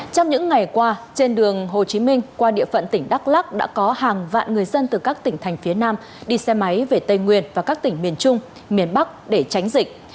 trong những ngày qua trên đường hồ chí minh qua địa phận tỉnh đắk lắc đã có hàng vạn người dân từ các tỉnh thành phía nam đi xe máy về tây nguyên và các tỉnh miền trung miền bắc để tránh dịch